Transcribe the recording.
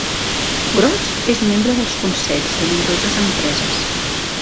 Gross és membre dels consells de nombroses empreses.